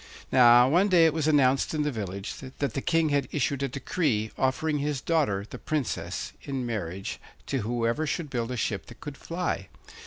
Now, one day it was announced in the village that the King had issued a decree, offering his daughter, the Princess, in marriage to whoever should build a ship that could fly.